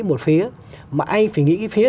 một phía mà anh phải nghĩ cái phía